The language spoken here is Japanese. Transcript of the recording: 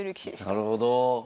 なるほど。